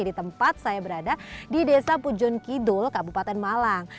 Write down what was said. di tempat saya berada di desa pujon kidul kabupaten malang